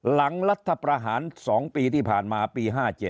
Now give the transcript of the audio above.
รัฐประหาร๒ปีที่ผ่านมาปี๕๗